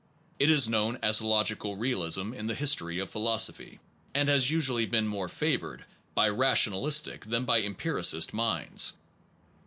It is known as c logical realism in the history of philosophy ; and has usually been more favored by rational istic than by empiricist minds.